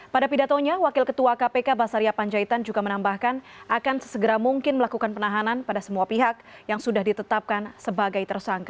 pada pidatonya wakil ketua kpk basaria panjaitan juga menambahkan akan sesegera mungkin melakukan penahanan pada semua pihak yang sudah ditetapkan sebagai tersangka